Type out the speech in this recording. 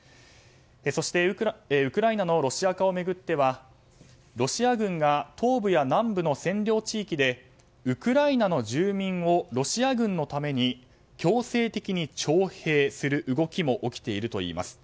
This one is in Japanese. そしてウクライナのロシア化を巡ってはロシア軍が東部や南部の占領地域でウクライナの住民をロシア軍のために強制的に徴兵する動きも起きているといいます。